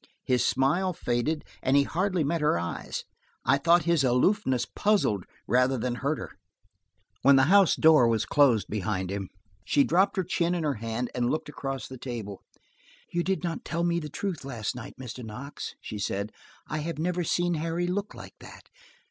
His smile faded and he hardly met her eyes: I thought that his aloofness puzzled rather than hurt her. When the house door had closed behind him, she dropped her chin in her hand and looked across the table. "You did not tell me the truth last night, Mr. Knox," she said. "I have never seen Harry look like that.